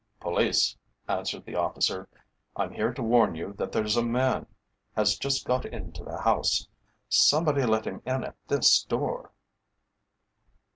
"Police," answered the officer. "I'm here to warn you that there's a man has just got into the house. Somebody let him in at this door."